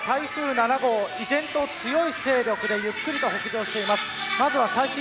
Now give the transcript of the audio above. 台風７号依然、強い勢力でゆっくりと北上しています。